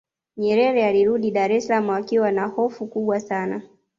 nyerere alirudi dar es salaam akiwa na hofu kubwa sana